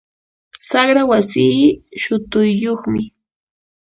saqra wasii shutuyyuqmi.